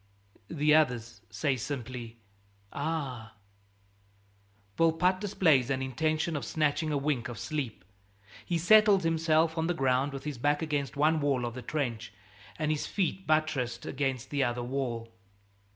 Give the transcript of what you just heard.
The others say simply, "Ah!" Volpatte displays an intention of snatching a wink of sleep. He settles himself on the ground with his back against one wall of the trench and his feet buttressed against the other wall.